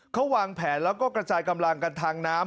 เขาวางแผนแล้วก็กระจายกำลังกันทางน้ำ